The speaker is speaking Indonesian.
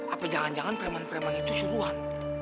apa jangan jangan preman preman itu suruhan